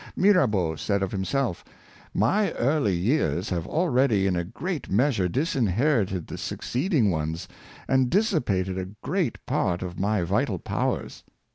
Mirabeau said of himself, " My early years have already in a great measure disinherited the succeeding ones, and I dissipated a great part of my vital powers.""